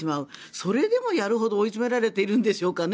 それでもやるほど追い詰められているんでしょうか？